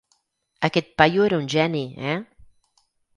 Aquest paio era un geni, eh?